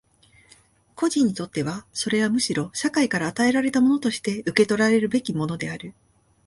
個人にとってはそれはむしろ社会から与えられたものとして受取らるべきものである。